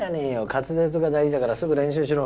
滑舌が大事だからすぐ練習しろ。